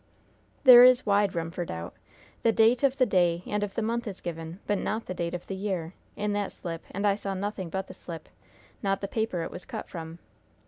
"There is wide room for doubt. The date of the day and of the month is given, but not the date of the year, in that slip; and I saw nothing but the slip, not the paper it was cut from.